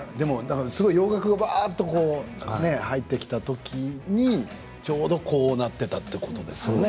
洋楽がばーっと入ってきたときにちょうどこうなっていたということですね。